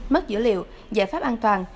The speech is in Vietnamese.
mất dữ liệu giải pháp an toàn